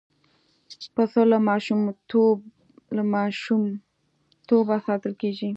پسه له ماشومتوبه ساتل کېږي.